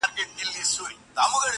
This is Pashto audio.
موج دي کم دریاب دي کم نهنګ دي کم؛؛!